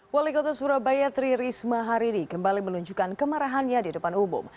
wali kota surabaya tri risma hari ini kembali menunjukkan kemarahannya di depan umum